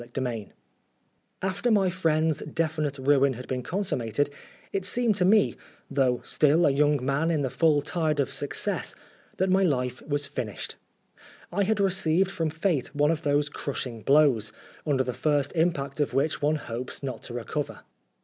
194 XVII AFTER my friend's definite ruin had been consummated, it seemed to me, though still i young man in the full tide of success, that my life was finished. I had received from fate one of those crushing blows, under the first impact of which one hopes not to recover.